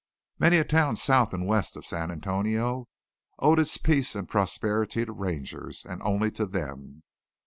Many a town south and west of San Antonio owed its peace and prosperity to Rangers, and only to them.